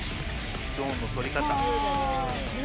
ゾーンの取り方。